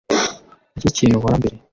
Nicyo kintu nkora mbere